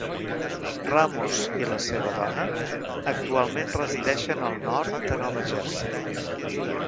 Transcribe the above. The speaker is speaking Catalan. Ramos i la seva dona actualment resideixen al nord de Nova Jersey.